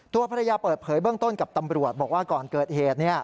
ตัวภรรยาเปิดเผยเบื้องต้นกับตำรวจบอกว่าก่อนเกิดเหตุ